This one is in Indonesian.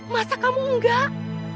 masa kamu enggak